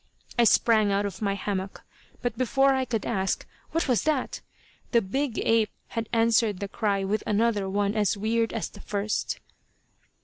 I sprang out of my hammock, but before I could ask, "what was that?" the big ape had answered the cry with another one as weird as the first.